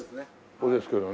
これですけどね。